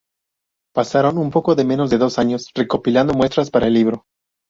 Pasaron un poco menos de dos años recopilando muestras para el libro.